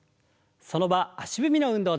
その場足踏みの運動です。